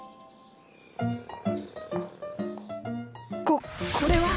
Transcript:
ここれは！